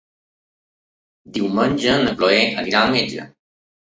Diumenge na Cloè irà al metge.